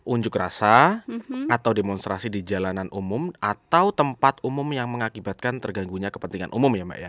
unjuk rasa atau demonstrasi di jalanan umum atau tempat umum yang mengakibatkan terganggunya kepentingan umum ya mbak ya